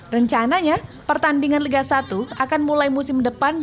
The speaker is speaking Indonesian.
dan perananya pertandingan liga satu akan mulai musim depan